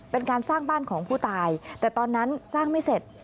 เป็นการสร้างบ้านของผู้ตายแต่ตอนนั้นสร้างไม่เสร็จ